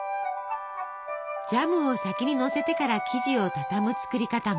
ジャムを先にのせてから生地をたたむ作り方も。